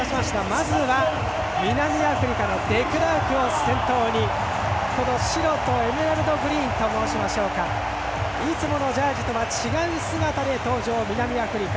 まずは南アフリカのデクラークを先頭に白とエメラルドグリーンと申しましょうかいつものジャージとは違う姿で登場、南アフリカ。